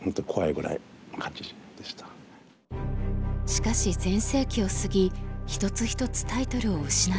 しかし全盛期を過ぎ一つ一つタイトルを失っていく坂田。